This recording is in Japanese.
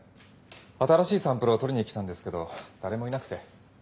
新しいサンプルを取りに来たんですけど誰もいなくて。